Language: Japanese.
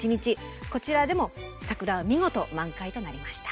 こちらでも桜は見事満開となりました。